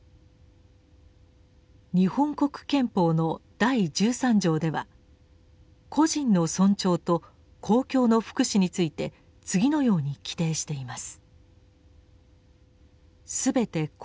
日本国憲法の第十三条では「個人の尊重と公共の福祉」について次のように規定しています。